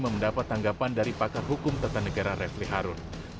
mendapat tanggapan dari pakar hukum tetanegara refli harun